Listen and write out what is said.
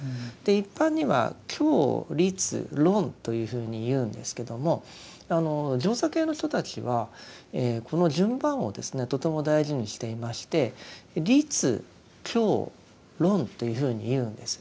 一般には「経律論」というふうにいうんですけどもあの上座系の人たちはこの順番をですねとても大事にしていまして「律経論」というふうに言うんです。